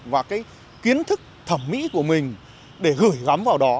và cái kiến thức thẩm mỹ của mình để gửi gắm vào đó